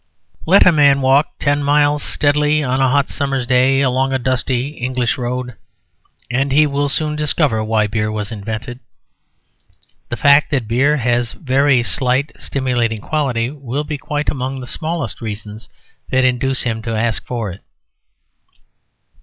Let a man walk ten miles steadily on a hot summer's day along a dusty English road, and he will soon discover why beer was invented. The fact that beer has a very slight stimulating quality will be quite among the smallest reasons that induce him to ask for it.